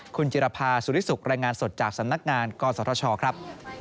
คุณจิรภาสุริสุขรายงานสดจากสำนักงานกศชครับ